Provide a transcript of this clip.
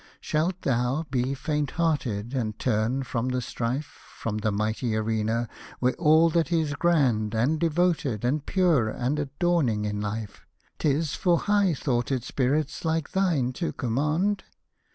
Shalt thou be faint hearted and turn from the strife, From the mighty arena, where all that is grand. And devoted, and pure, and adorning in life, 'Tisfor high thoughted spirits like thine to command?